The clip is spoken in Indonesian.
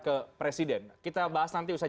ke presiden kita bahas nanti usai